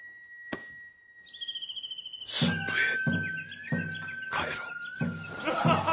駿府へ帰ろう。